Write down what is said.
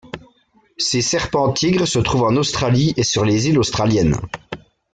Ces serpents-tigres se trouvent en Australie et sur les îles australiennes.